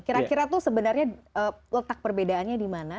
kira kira tuh sebenarnya letak perbedaannya dimana